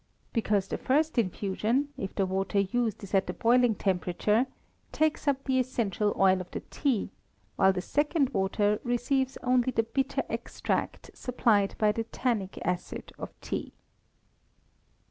_ Because the first infusion, if the water used is at the boiling temperature, takes up the essential oil of the tea, while the second water receives only the bitter extract supplied by the tannic acid of tea.